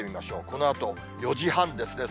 このあと４時半ですね。